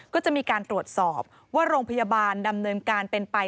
ก็จะมีการตรวจสอบว่าโรงพยาบาลดำเนินการเป็นไป